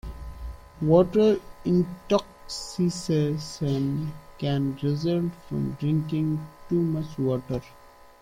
Water intoxication can result from drinking too much water.